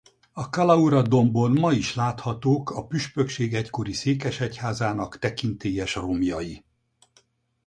A Kalaura-dombon ma is láthatók a püspökség egykori székesegyházának tekintélyes romjai.